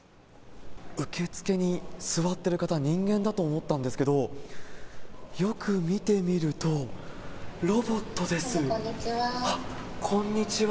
受付に座ってる方、人間だと思ったんですけど、よく見てみると、こんにちは。